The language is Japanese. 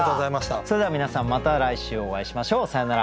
それでは皆さんまた来週お会いしましょう。さようなら。